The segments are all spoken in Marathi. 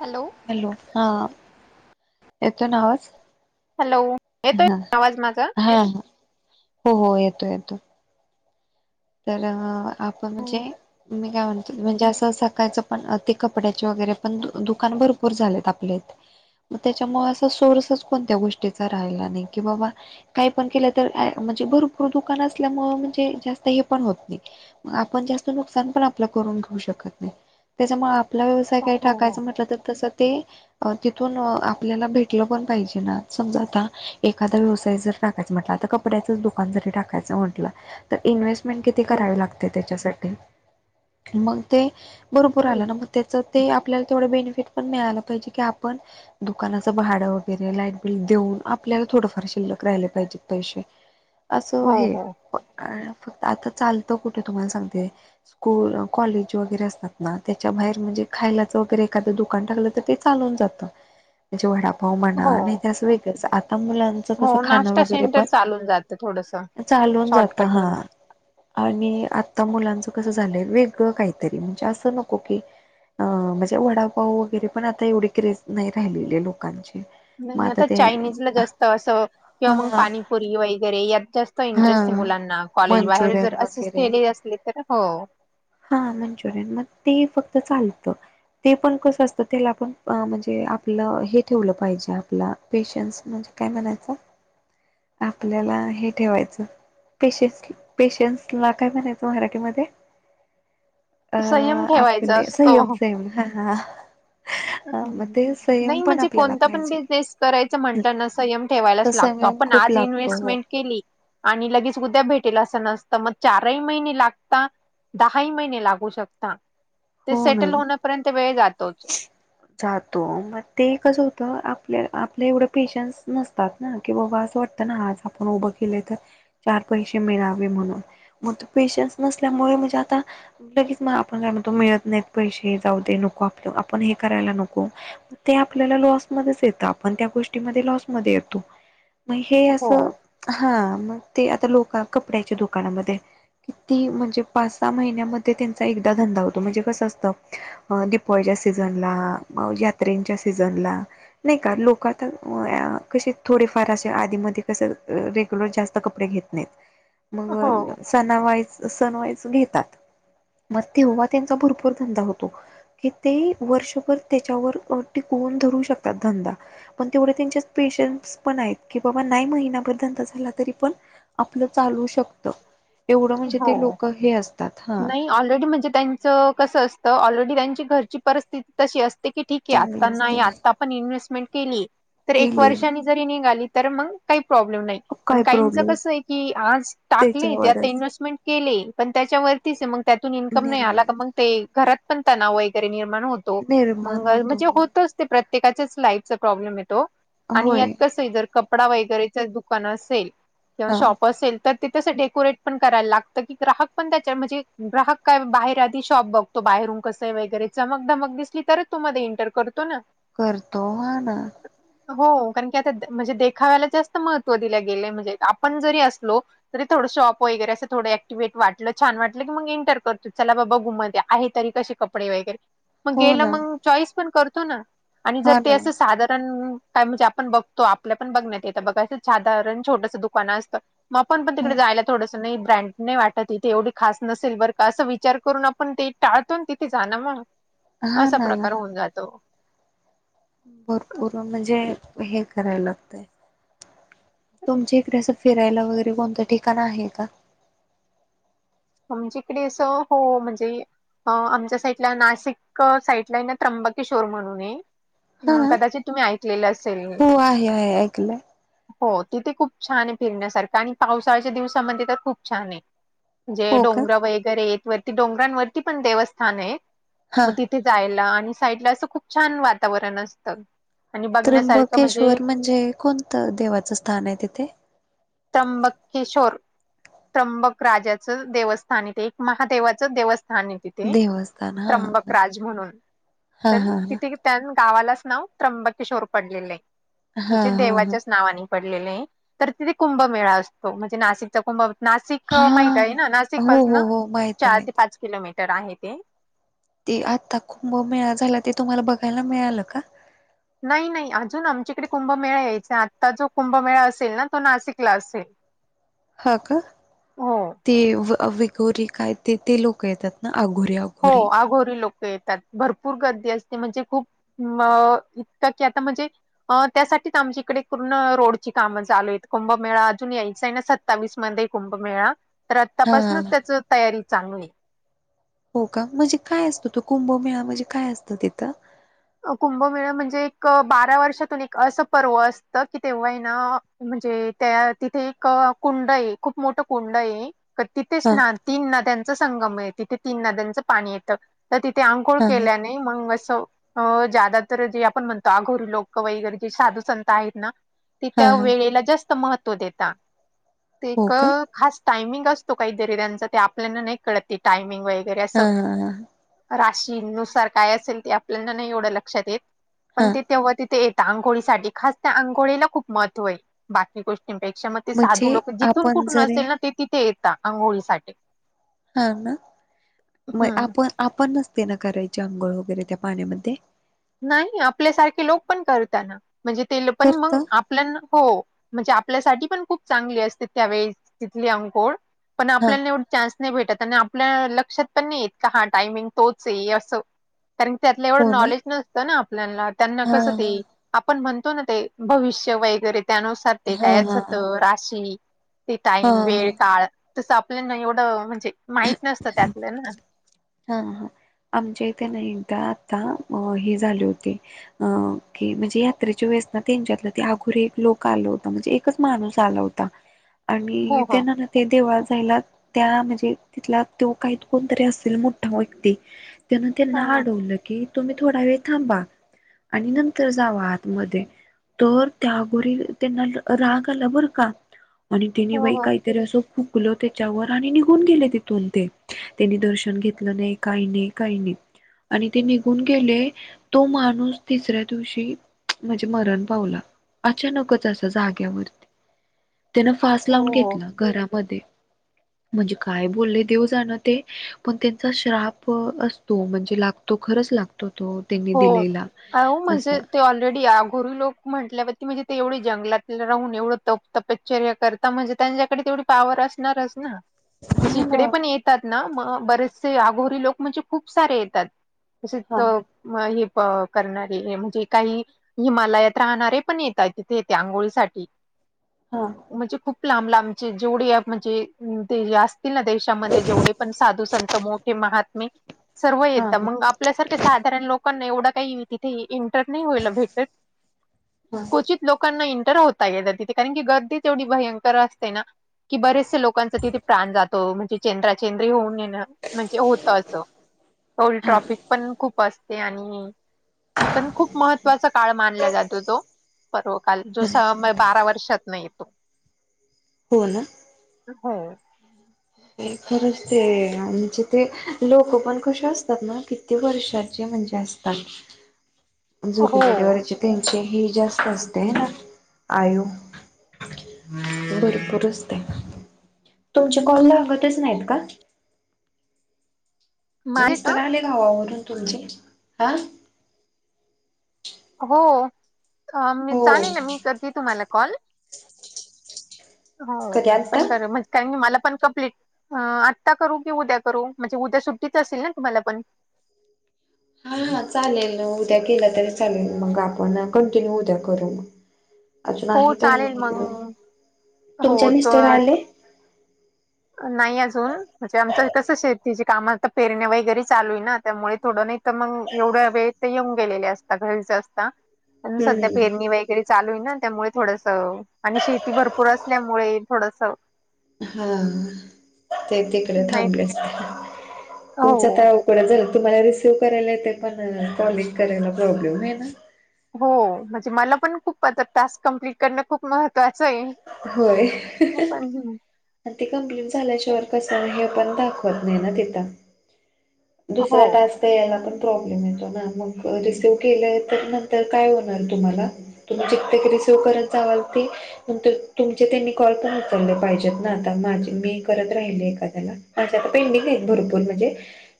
हॅलो हॅलो हा येतो ना आवाज? हॅलो येतोय हा, आवाज माझा हा, हो, हो येतोय येतो. तर आपण हो म्हणजे मी काय म्हणत म्हणजे आसं सकाळचं पण ते कपड्याचे वगैरे पण दुकान भरपूर झालेत आपल्या इथ म तेच्यामुळ आस सोर्सच कोणत्या गोष्टीचा राहिला नाही की बाबा काही पण केलं तर म्हणजे भरपूर दुकान असल्यामुळ म्हणजे जास्त हे पण होत नाही म आपण जास्त नुकसान पण आपला करून घेऊ शकत नाही तेच्यामुळ आप ला व्यवसाय हो काय हो टाकायचा म्हटलं तर तसं ते तिथून आपल्याला भेटलं पण पाहिजे ना समजा आता एखादा व्यवसाय जर टाकायच म्हटला त कप ड्याचच दुकान जरी टाकायचं म्हंटला त इन्व्हेस स्टमेंट किती हो करावे लागते तेच्यासाठी मग ते भरपूर आलं ना म तेच ते आपल्याला तेवढं बेनिफिट पण मिळालं पाहिजे की आपण दुकानाचं भाडं वगैरे लाईट बिल देऊन आपल्याला थोडंफार शिल्लक राहिले पाहिजेत पैसे. असं हो हे हो फक्त आता चालतं कुठे तुम्हाला सांगते स्कूल, कॉलेज वगैरे असतात ना तेच्या बाहेर म्हणजे खायलाच वगैरे एखादं दुकान टाकलं तर ते चालवून जात म्हणजे वडापाव म्हणा हो आणि त्याच वेगळंच आता मुलांच कसं हो खाणं नाश्ता वगैरे सेंटर चालून जातं थोडस पण चालवून जात शॉर्टकट हा. मध्ये आणि आता मुलांचं कसं झालंय वेगळं काहीतरी म्हणजे आसं नको की अ म्हणजे वडापाऊ वगैरे पण आता एवढी क्रेज नाही राहिलेली लोकांची. मग नाही आता ते चायनीज ला जास्त असं किंवा मग हा पाणीपुरी वगैरे यात जास्त हा इंटरेस्ट हे मुलांना. कॉलेज बाहेर मंचुरियन जर असच वगैरे केले असले तर हो हा मंचुरियन म ते फक्त चालतं. ते पण कसं असतं तेला पण म्हणजे आपलं हे ठेवलं पाहिजे आपला पेशन्स म्हणजे काय म्हणायचं आपल्याला हे ठेवायचं पेशस पेशन्स ला काय म्हणायचं मराठीमध्ये? अ संयम ठेवायचा आपले सयम असतो सयम हा, हा. हा मग ते संयम नाही पण म्हणजे आपल्याला कोणता पण पाहिजे की बिझनेस करायच म्हटलं ना संयम तर ठेवायलाच लागतो. संयम पण खूप आज लागतो हो. इन्व्हेस्टमेंट केली आणि लगेच उद्या भेटेल असं नस त म चारही महिने लागता दहा ही महिने लागू शकता. ते हो ना सेटल होण्यापर्यंत वेळ जातोच. जातो म ते कसं होतं आपल्या आपल्या एवढं पेशन्स नसतात ना की बाबा असं वाटतं ना आज आपण उभं केले तर चार पैसे मिळावे म्हणून म तो पेशन्स नसल्यामुळे म्हणजे आता लगेच म आपण काय म्हणतो मिळत नाहीत पैसे जाऊ दे नको आपल आपण हे करायला नको ते आपल्याला लॉसमध्येच येतं आपण त्या गोष्टीमध्ये लॉसमध्ये येतो. म हे हो आसं हा मग ते आता लोका कपड्याच्या दुकानामध्ये किती म्हणजे पाच सहा महिन्यामध्ये तेचा एकदा धंदा हो तो म्हणजे कसं असतं अ दिपवाळीच्या सीझनला, यात्रेंच्या सीझनला, नाही का लोक आता कसे थोडेफार आशे आधीमधी कस रेग्युलर जास्त कपडे घेत नाहीत. हो मग सनावाईज सनवाईज घेतात म तेव्हा तेचा भरपूर धंदा होतो. कि ते वर्षभर तेच्यावर टिकवून धरू शकतात धंदा. पण तेवढे तेच्याच पेशन्स पण आहेत की बाबा नाही महिनाभर धंदा झाला तरी पण आपलं चालू शकत एवढं म्हणजे हो ते लोक हे असतात हा नाही ऑलरेडी म्हणजे त्यां च कसं असतं ऑलरडी त्यांची घरची परिस्थिती तशी असते की ठीक हे आता चांगले असते नाही आता ण इन्व्स्टमेंट केली तर केले वर्षानी जरी निघाली तर मग काही प्रॉब्लेम नाही. काय का प्रॉब्लेम कस क आज टाक आ त्याच्यावरच इन्व्स्टमेंट के पण त्याच्यावर. मग त्यातून इन्कम नाही आला निर्भय मग ते घरात पण तणाव वगैरे निर्माण होत. निर्माण मंगल होतो म्हणजे होतच. प्र्ये ला प्रब्म आणित होय कस. कपडा वगैरेच दुकान असेल किंवा हा शॉप असेल तर. तसं डेकोरेट पण करायला लागतं की ग्राहक पण त्याच्या म्हणजे ग्राहक काय बाहेर आधी शॉप बघ. तो बाहेरून कस आहे वगैरे चमक धमक दिसली तरच तो मध्ये एंटर करतो ना. करतो म्ह ना. हो कारण की आता म्हणजे देखाव्याला जास्त महत्त्व दिले गेले म्हणजे आपण जरी असलो. तरी थोडं शॉप वगैरे असं थोडं ऍक्टिववेट वाटलं छान वाटलं की मग एंटर करतो चला बाबा घुम आहे तरी कसे. कपडे वगैरे मग हो गेलं ना मग चॉईस पण करतो ना आणि जर हा ते ना असं साधारण. काय म्हणजे आपण बघतो आपल्या पण बघण्यात य बघायचं साधारण छोटस दुकानं असतं. मग पण हा तिकडे जायला थों. ब्रँड नाही वाटत इथे एवढी खास नसेल बर का असं विचार करून आपण ते टाळतो तिथे जाण मग. हा असा ना प्रकार होऊन जातो. भरपूर म्हणजे हे करायला लागतय. तुमच्या इकडे असं फिरायला वगैरे कोणतं ठिकाण आहे का. म्हमच्याकडे असं हो म्हणजे. आमच्या साईडला नाशिक साईडला आहे ना त्र्यंबकेश्ोर म्हणून ये. हा ह कदाचित तुम्ही ऐकलेलं असेल. हो आहे आहे ऐकलंय हो तिथे खूप छान आहे फिरण्यासारखं आणि पावसाळ्याच्या दिवसामध्ये तर खूप छान आहे. जे हो का डोंगर वगैरे य वरती डोंगरांवरती पण देवस्थान आहे हा मग तिथ. ते जायला आणि साईडला असं खूप छान वातावरण असतं. आणि बघण्यासारखं त्र्यंबकेश्वर म्हणजे कोणतं देवाचं स्थान आहे तिथे. तंब केशोर. त्र्यंबक राजाचं देवस्थान येते एक महादेवाचं देवस्थान येते. देवस्थान हा त्र्यंबक राज म्हणून हा तर हा हा तिथे. त्या गावालाच नाव त्र्यंबकिशोर पडलेले आहे हा म्हणजे हा हा देवाच्याच नावाने. पडलेल तर तिथे कुंभमेळा असतो म्हणजे नाशिकचा कुंभ. नाशिक हा माहित आहे ना नाशिक हो पासून हो हो माहित आहे चार माहित ते पाच किलोमीटर आहे ते. ते आता कुंभमेळा झाला ते तुम्हाला बघायला मिळालं का. नाही नाही अजून आमच्याकडे कुंभमेळा यायचा आत्ता जो कुंभमेळा असेल ना तो नाशिकला असेल. [unintelligible] हा का हो ते विगोरी काय ते ते लोक येतात ना आघोरी अगो. हो आघोरी लोक. येतात भरपूर गर्दी असते म्हणजे खूप अ इतकं की आता म्हणजे. अ त्यासाठीच आमच्याकडे पूर्ण रोडची कामं चालू आहेत कुंभमेळा अजून यायचा आहे ना सत. सत्तावीस मध्ये कुंभ मेळा तर हा आत्तापासूनच त्याच तयारी चालू आहे. हो का म्हणजे काय असतं तो कुंभमेळा म्हणजे काय असतं तिथं. कुंभमेळा म्हणजे एक बारा वर्षातून एक असं पर्व असतं की तेव्हा आहे ना. म्हणजे त्या तिथे एक कुंड आहे खूप मोठं कुंड आहे. तिथेच हा ना तीन नद्यांच संगम आहे तिथे तीन नद्यांचं पाणी येतं. तर तिथे अंकोळ हा केल्याने मग असं. अ ज्यादा तर जे आपण म्हणतो अघोरी लोक वगैरे जे साधू संत आहेत ना. ते हा त्या हा वेळेला जास्त महत्व देेता ते. हो का खास टायमिंग असतो काही दरिद्यांचा ते आपल्याला नाही कळते टायमिंग वगैरे हा असं. हा हा राशी नुसार काय असेल ते आपल्याला नाही एवढं लक्षात येत हा पण त. तेव्हा तिथे येतात आंघोळीसाठी खास त्या आंघो ळीला खूप महत्त्व आहे बाकी गोष्टी. पेक्षा मग ते म्हणजे साधू लोक जिथून आपण कुठून जरी असेल ना ते तिथे येतात आंघोळी साठी. हां ना मग आपण आपण नसते ना करायचे आंघोळ वगैरे त्या पाण्यामध्ये नाही आपल्यासारखे लोक पण करताना म्हणजे ते पण करत मग आप हो म्हणजे आपल्यासाठी पण खूप चांगली असते त्यावेळेस तिथली अंघोळ. पण हा आपल्याला एवढं चान्स नाही भेटत आणि आपल्या लक्षात पण नाही येत का हा टायमिंग तोच आहे असं. कारण त्यातलं एवढं हो ना नॉलेज नसतं ना आपल्याला त्यांना हा कसं ते आपण म्हणतो ना ते भविष्य वगैरे त्यानुस ते हा कायच हा होत हा राशी त हा टाईम हा वेळ काळ तसं आपल्याना एवढं म्हणजे माहित नसतं त्यातलं ना. हा हा आमच्या इथे नाही एकदा आता अ हे झाले होते. अ की म्हणजे यात्रेच्या वेळेस ना त्यांच्यातलं ते अघोरीे एक लोक आल होता म्हणजे एकच माणूस आला होता. आणि हो हो. त्यांना ना ते देवळात जायला त्या म्हणजे तिथला तो काही कोणतरी असेल मोठा व्यक्ती त्यान ते हा ना हा अडवलं कि तुम्ही थोडा वेळ थांबा आणि नंतर जावा आतमध्ये तर त्या अ घोरी त्यांना राग आला बरं का. आणि तिने हो बाई हो काहीतरी असं फुकल त्याच्यावर आणि निघून गेले तिथ तितुन त्यांनी दर्शन घेतलं नाही काही नाही काही नाही. आणि ते निघून गेले. तो माणूस तिसऱ्या दिवशी म्हणजे मरण पावला. अचानकच असं जाग्यावर. त्यान फास हो लावून हो. घेतला घरामध्ये म्हणजे काय बोलले देव जाणं ते पण त्यांचा श्राप असतो म्हणजे लागतो खरच लागतो तो त्यांनी हो दिलेला हो म्हणजे असला. ते ऑलरेडी गुरु लोक म्हटल्यावरती म्हणजे ते एवढी जंगलातला राहून एवढं तप तपश्चर्य करता म्हणजे त्यांच्याकडे तेवढ पावर असणारच ना म्हणजे हा ना. इकडे पण येतात ना मग बरेचसे आघोरी लोक म्हणजे खूप सारे येतात तच हा हे करणारे म्हणजे काही हिमालयात राहणारे पण येतात तिथे येते आंघोळीसाठीठी हा म्हणजे खूप लांब लांबचे जेवढे म्हणजे ते जास्त देशामध्ये जेवढे पण साधू संत मोठे महात्मे सर्व हा येत मग आपल्यासारखे साधारण लोकांना एवढं काही तिथे इंटर नाही होईल भेटत हा क्चित लोकांना इंटर होता य तिथे कारण की गर्दी एवढी भयंकर असते ना कि बरेचसे लोांचा तिथे प्राण जातो म्हणजेंद्राचेंद्री होऊन म्हणजे होत अस तेवढ हा ट्रॉपिक पण खूप असते आणि पण खूप महत्त्वाचा काळ मानला जातो तो पर्व काल जो हा स बारा वर्षात नाही येतो हो ना हो खरंच ते म्हणजे ते लोक पण कसे असतात ना कि क वर्षाचे म्हणजे असतात झ हो. त्यांचे ह जास्त असते ना आयू भरपूरचते तुमच्या कॉल ला हगतच नाहीत का माझे का? मिस्तर आले गावावरून तुमचे हा हो हो चालेल मी करते तुम्हाला कॉल हो कधी मी आत्ता पण कर मज कारण की मला पण कम्प्लीट आता करू कि उद्या करू म्हणजे उद्या सुट्टीच असेल ना तुम्हाला पण हाा चालेल उद्या केलं तरी चालेल मग आपण कंटिन्यू उद्या करू मग अजून हो आहे टय चालेल मग. म तुमच्या हो, मिस्टर तर आले नाही अजून म्हणजे आमचं कसं शेतीचे कामचा पेरण्या वगैरे चालू आहे ना त्यामुळे थोडं नाही तर मग एवढ्या वेळ ते येऊन गेलेले असता घरीचे असतात प सध्या पेरणी हम्म व वगैरे चालू आहे ना त्यामुळे थोडस आणि शेती भरपूर असल्यामुळे थोडस हा ते तिकडे नाही तर- थांबलेच हो. तुमचं कोणा झालं तुम्हाला रिसीव्ह करायला येते पण कॉलिंग करायला प्रॉब्लेम आहे ना हो म्हणजे मला पण खूप आ टास्क कम्प्लीट करणं खूप महत्त्वाचं आहे होय पण आणि तेी कंप्लेट झाल्याच्यावर कसं आहे हे पण दाखवत नाही ना तिथ हो दुसरा्या टास्क तर याला पण प्रॉब्लेम येतो ना मग रिसिव्ह केलं आहे तर नंतर काय होणार तुम्हाला ुम कित्य रिसिव कर चावाल त नंतर तुमचे त्यांनी कॉल पण उचलले पाहिजेत ना आता माझ मी करत राहिले एखाद्याला माझी आता पेंटिंग आहेत भरपूर म्हणजे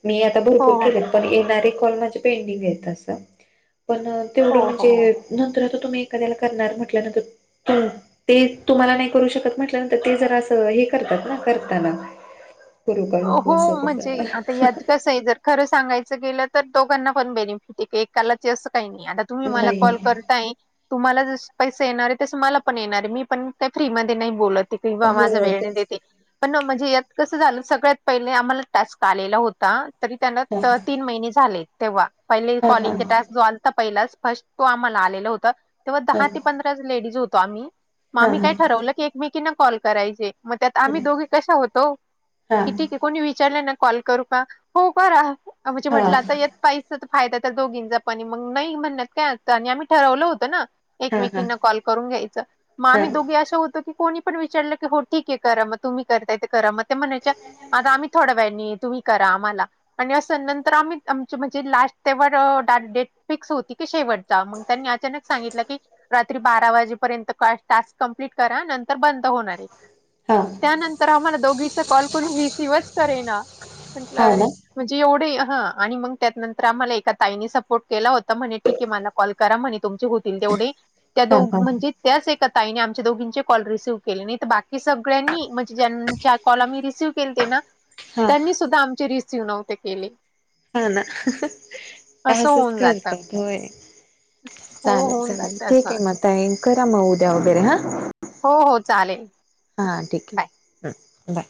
मी आ हो भरपूर केले पण येणारे कॉल माझे पेंडिंग आहेत असं पण हो तेवढं हो हो. म्हणजे नंतर आता तुम्ही एखाद्याला करणार म्हटल्यानंतर ते तुम्हाला नाही करू शकत म्हटल्यानंतर ते जरा हे करतात ना करताना करू का हो नको असं म्हणजे आता तसं यात कसं आहे जर खरं सांगायचं गेलं तर दोघांना पण बेनिफिट आहे क एकाला ते असं काही नाही आता तुम्ही मला नाही कॉल करताय तुम्हाला जस पैसे येणार आहे तसं मला पण येणार आहे मी पण ते फ्री म नाही बोलत किंवा माझा हो वेळ तेच देते पण म्हणजे यात कसं झालं सगळ्यात पहिले आम्हाला टास्क आलेला होता तरी त्यांना हां तीन महिने झाले तेव्हा हां कॉलिंग हां टस् जो आ पहि फर्ट तो आम्हाला आला होता तेव्हा हां दहा ते पं लेज होतो आम्ही म हां हां आम्ही काय ठरवलं की एकमेकीना कॉल करायचे मग त्यात आम्ही हं दोघे कशा होतो हां की ठीक आहे कोणी विचारलं ना, कॉल करू का, होकरा म्हणजे हां म्हटलं आता [unintelligible] फायदा तर दोघींचा पण, मग नाही म्हणत काय अर्थ, आणि आम्ही ठरवलं होतं ना, हां हां एकमेकींना कॉल करून घ्यायचं, म आम्ही दोघी अशा, होतो की कोणी विचारलं हो ठीक करा, मग तुम्ही करताय करा म ते म्हणायचे आता आम [unintelligible] तुम्ही करा आम्हाला, आणि असं नंतर आम्ही, आमची म्हणजे लास्ट त्यावर डेट, फिक्स होती की शेवट, चा, मग त्यांनी अचानक सांगितलं की बारा वाजेपर्यंत टास्क कंप्लीट करा, नंतर बंद होणार आहे, हां हां त्यानंतर आम्हाला दोघीचा कॉल,, कोणी रिसिवच करेना म्हटलं हां अरे ना म्हणजे एवढे हा, आणि मग त्यानंतर, आम्हाला एका ताईने सपोर्ट, केला होता, म्हणे ठीक आहे, मला कॉल करा म्हणे तुमचे होतील तेवढे, त्या दो हां हां म्हणजे त्याच एका ताईने, आमच्या दोघींचे कॉल रिसिव्ह केले नाही, त बाकी सगळ्यांनी म्हणजे, ज्यांच्या कॉल रिसिव्ह केलते ना, हां त्यांनी सुद्धा आमचे रिसिव नव्हते केले, हो ना असं असचं, होऊन जातं करतात होय. हो चालेल, होऊन चालेल जातं ठीक असं आहे, मग ताई करा मग उद्या वगैरे हा, हो, हो, चालेल. हां ठीक बाय. आहे, बाय,